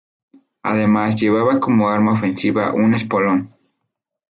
Además llevaba como arma ofensiva un espolón.